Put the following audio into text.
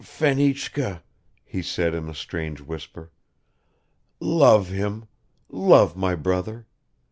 "Fenichka!" he said in a strange whisper. "Love him, love my brother!